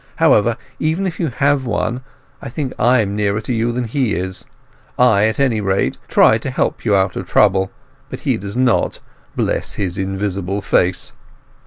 However, even if you have one, I think I am nearer to you than he is. I, at any rate, try to help you out of trouble, but he does not, bless his invisible face!